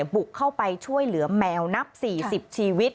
บุกเข้าไปช่วยเหลือแมวนับ๔๐ชีวิต